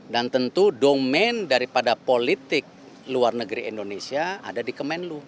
dan tentu domen daripada politik luar negeri indonesia ada di kemenlu